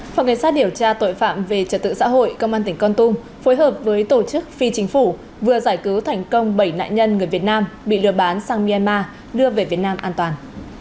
phòng cảnh sát điều tra tội phạm về trật tự xã hội công an tỉnh con tum phối hợp với tổ chức phi chính phủ vừa giải cứu thành công bảy nạn nhân người việt nam bị lừa bán sang myanmar đưa về việt nam an toàn